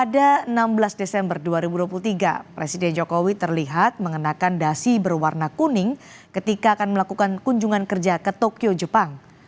pada enam belas desember dua ribu dua puluh tiga presiden jokowi terlihat mengenakan dasi berwarna kuning ketika akan melakukan kunjungan kerja ke tokyo jepang